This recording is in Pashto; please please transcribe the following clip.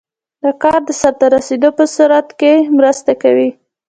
د کار د سرته رسیدو په سرعت کې مرسته کوي.